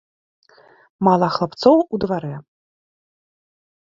Мала хлапцоў у дварэ.